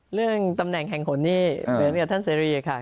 เรื่องตำแหน่งแห่งขนนี่เหมือนกับท่านเสรีค่ะ